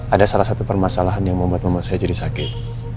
ada salah satu permasalahan yang membuat mama saya jadi sakit